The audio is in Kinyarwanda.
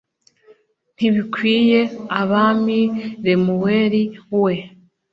“ntibikwiriye abami, lemuweli we